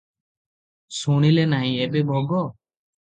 ଶୁଣିଲେ ନାହିଁ, ଏବେ ଭୋଗ ।"